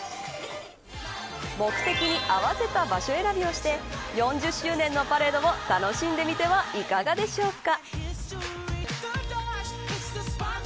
目的に合わせた場所選びをして４０周年のパレードを楽しんでみてはいかがでしょうか。